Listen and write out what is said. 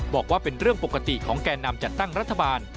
บอกว่าเป็นเรื่องปกติของแก่นำจัดตั้งรัฐบาล